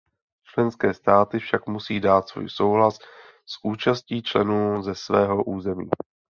Členské státy však musí dát svůj souhlas s účastí členů ze svého území.